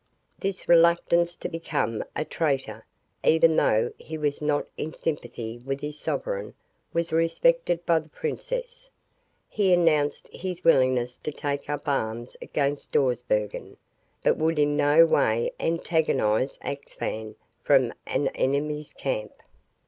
This reluctance to become a traitor, even though he was not in sympathy with his sovereign, was respected by the princess. He announced his willingness to take up arms against Dawsbergen, but would in no way antagonize Axphain from an enemy's camp.